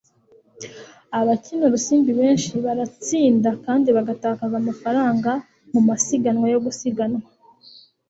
abakina urusimbi benshi baratsinda kandi bagatakaza amafaranga mumasiganwa yo gusiganwa